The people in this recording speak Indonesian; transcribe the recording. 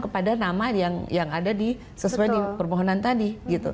kepada nama yang ada sesuai di permohonan tadi